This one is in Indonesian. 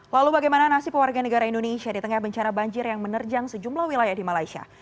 lalu bagaimana nasib warga negara indonesia di tengah bencana banjir yang menerjang sejumlah wilayah di malaysia